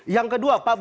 yang kedua pak baju kowe